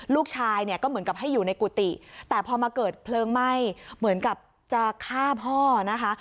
ลูกชายเนี่ยก็เหมือนกับให้อยู่ในกุฏิแต่พอมาเกิดเพลิงไหม้เหมือนกับจะฆ่าพ่อนะคะ